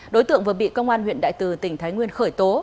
đối tượng vừa bị công an huyện đại từ tỉnh thái nguyên khởi tố